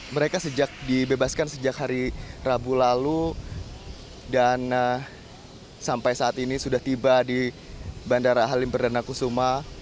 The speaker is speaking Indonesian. mereka sejak dibebaskan sejak hari rabu lalu dan sampai saat ini sudah tiba di bandara halim perdana kusuma